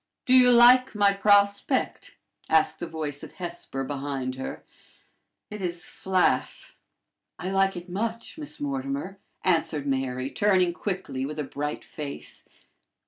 "Do you like my prospect?" asked the voice of Hesper behind her. "It is flat." "I like it much, Miss Mortimer," answered Mary, turning quickly with a bright face.